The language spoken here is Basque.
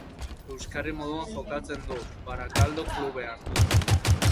Euskarri moduan jokatzen du, Barakaldo klubean.